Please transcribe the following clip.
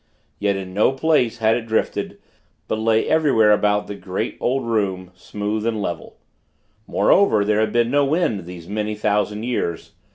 Yet, in no place had it drifted; but lay everywhere about the great, old room, smooth and level. Moreover, there had been no wind these many thousand years.